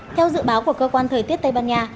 theo dự báo của cơ quan thời tiết tây ban nha